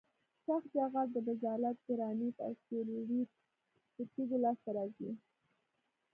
سخت جغل د بزالت ګرانیت او سلیت له تیږو لاسته راځي